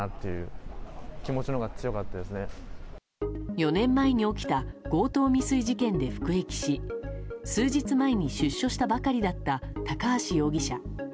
４年前に起きた強盗未遂事件で服役し数日前に出所したばかりだった高橋容疑者。